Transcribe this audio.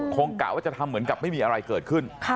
กะว่าจะทำเหมือนกับไม่มีอะไรเกิดขึ้น